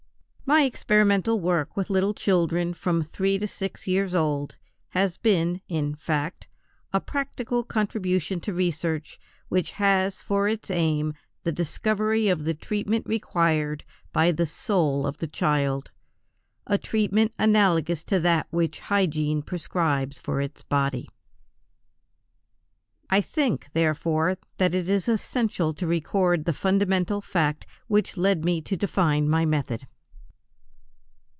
My experimental work with little children from three to six years old has been, in fact, a practical contribution to research which has for its aim the discovery of the treatment required by the soul of the child, a treatment analogous to that which hygiene prescribes for its body. I think, therefore, that it is essential to record the fundamental fact which led me to define my method.